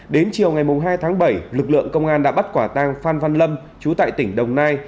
đến chiều ngày hai tháng bảy lực lượng công an đã bắt quả tang phan văn lâm chú tại tỉnh đồng nai